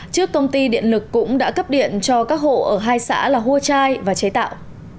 trước công ty điện lực cũng đã cấp điện cho các hộ ở hai xã là hua chai và chế tạo